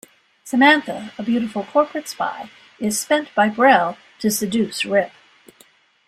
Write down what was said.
Samantha, a beautiful corporate spy, is sent by Brell to seduce Rip.